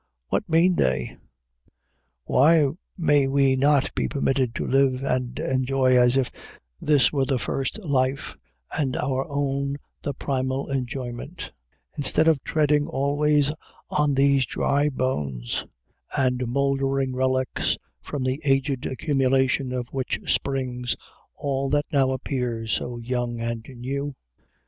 What mean they? Why may we not be permitted to live and enjoy as if this were the first life and our own the primal enjoyment, instead of treading always on these dry bones and mouldering relics from the aged accumulation of which springs all that now appears so young and new?